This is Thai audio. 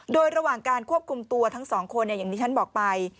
โดยระหว่างการควบคุมตัวทั้งสองคนอย่างที่ฉันบอกไป